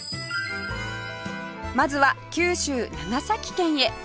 まずは九州長崎県へ